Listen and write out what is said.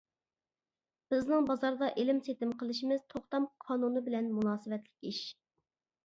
بىزنىڭ بازاردا ئېلىم-سېتىم قىلىشىمىز توختام قانۇنى بىلەن مۇناسىۋەتلىك ئىش.